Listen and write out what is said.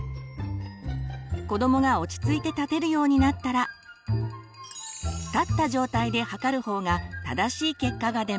子どもが落ち着いて立てるようになったら立った状態で測る方が正しい結果が出ます。